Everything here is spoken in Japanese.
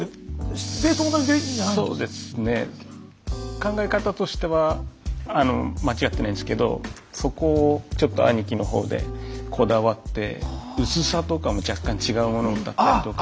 考え方としては間違ってないんですけどそこをちょっと兄貴の方でこだわって薄さとかも若干違うものだったりとか。